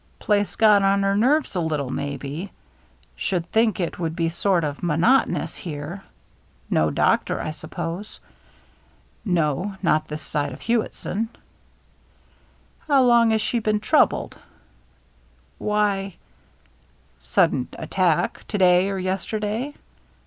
"Place got on her nerves a little, maybe. Should think it would be sort of monotonous here. No doctor, I suppose?" " No, not this side of Hewittson." " How long has she been troubled ?" THE MEETING 325 "Why —"" Sudden attack, to day or yesterday